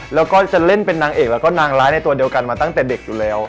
แล้วก็จะเล่นเป็นนางเอกแล้วก็นางร้ายในตัวเดียวกันมาตั้งแต่เด็กอยู่แล้ว